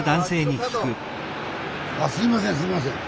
あすいませんすいません。